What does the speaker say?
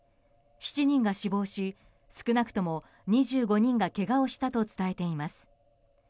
７人が死亡し少なくとも２５人がけがをしたと伝えています。